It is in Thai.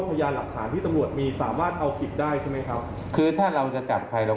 ฟังท่านเพิ่มค่ะบอกว่าถ้าผู้ต้องหาหรือว่าคนก่อเหตุฟังอยู่